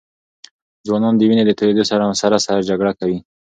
ځوانان د وینې د تویېدو سره سره جګړه کوي.